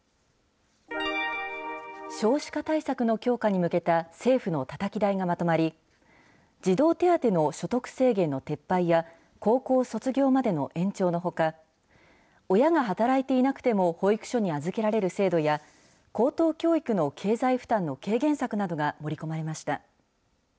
少子化対策の強化に向けた政府のたたき台がまとまり、児童手当の所得制限の撤廃や、高校卒業までの延長のほか、親が働いていなくても保育所に預けられる制度や、高等教育の経済負担の軽減策などが盛り込まれました。